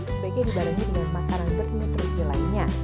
spk dibarengi dengan makanan bernutrisi lainnya